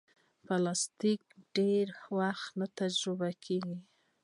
پلاستيک ډېر وخت نه تجزیه کېږي.